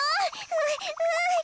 うんうん。